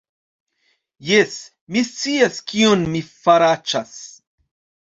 Jes, mi scias kion mi faraĉas